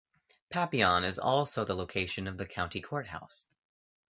Papillion is also the location of the county courthouse.